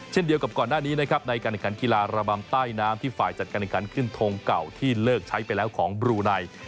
เช่นเดียวกับก่อนหน้านี้นะครับในการแข่งขันกีฬาระบำใต้น้ำที่ฝ่ายจัดการแข่งขันขึ้นทงเก่าที่เลิกใช้ไปแล้วของบลูไน